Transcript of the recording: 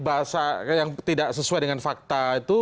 bahasa yang tidak sesuai dengan fakta itu